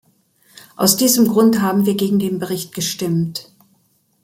Aus diesem Grund haben wir gegen den Bericht gestimmt.